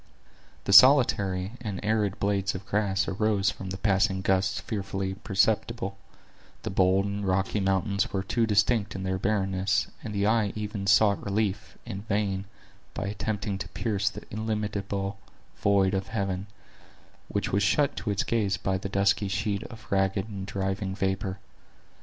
The solitary and arid blades of grass arose from the passing gusts fearfully perceptible; the bold and rocky mountains were too distinct in their barrenness, and the eye even sought relief, in vain, by attempting to pierce the illimitable void of heaven, which was shut to its gaze by the dusky sheet of ragged and driving vapor.